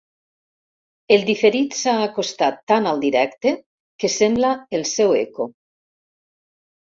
El diferit s'ha acostat tant al directe que sembla el seu eco.